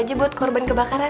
pak siti buat korban kebakaran